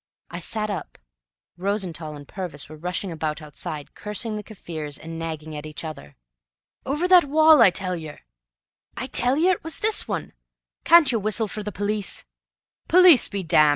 I sat up. Rosenthall and Purvis were rushing about outside, cursing the Kaffirs and nagging at each other. "Over THAT wall, I tell yer!" "I tell you it was this one. Can't you whistle for the police?" "Police be damned!